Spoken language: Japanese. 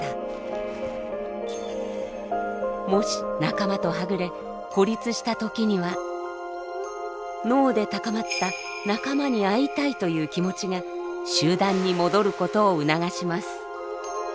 もし仲間とはぐれ孤立した時には脳で高まった仲間に会いたいという気持ちが集団に戻ることを促します。